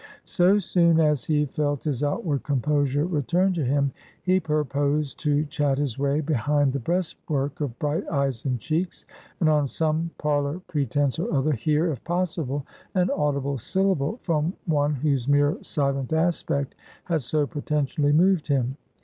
So soon as he felt his outward composure returned to him, he purposed to chat his way behind the breastwork of bright eyes and cheeks, and on some parlor pretense or other, hear, if possible, an audible syllable from one whose mere silent aspect had so potentially moved him.